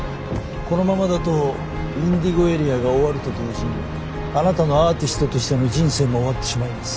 このままだとＩｎｄｉｇｏＡＲＥＡが終わると同時にあなたのアーティストとしての人生も終わってしまいます。